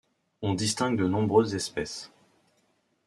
On distingue de nombreuses espèces.